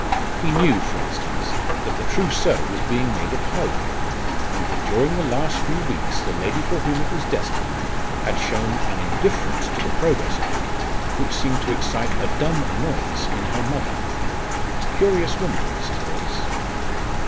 He knew, for instance, that the trousseau was being made at home, and that during the last few weeks the lady for whom it was destined had shown an indifference to the progress of it which seemed to excite a dumb annoyance in her mother. Curious woman, Mrs. Boyce!